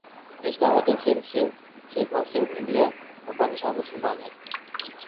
اس کا ہدف صرف اور صرف انڈین یا پاکستانی مسلمان ہیں۔